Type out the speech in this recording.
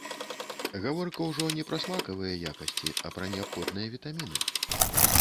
Гаворка ўжо не пра смакавыя якасці, а пра неабходныя вітаміны.